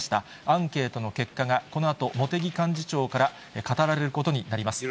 アンケートの結果が、このあと茂木幹事長から語られることになります。